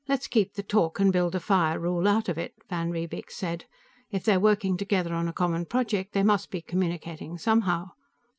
"Let's keep the talk and build a fire rule out of it," van Riebeek said. "If they're working together on a common project, they must be communicating somehow."